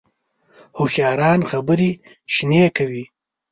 هوښیاران خبرې شنې کوي